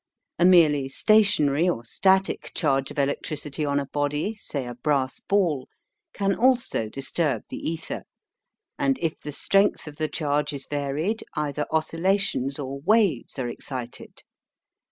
A merely stationary or "static" charge of electricity on a body, say a brass ball, can also disturb the ether; and if the strength of the charge is varied, ether oscillations or waves are excited.